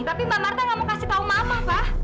tapi mbak marta gak mau kasih tau mama mbak